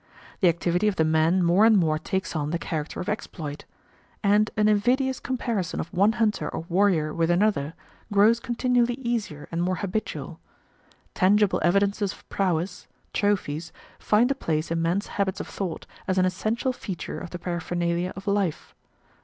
The activity of the men more and more takes on the character of exploit; and an invidious comparison of one hunter or warrior with another grows continually easier and more habitual. Tangible evidences of prowess trophies find a place in men's habits of thought as an essential feature of the paraphernalia of life.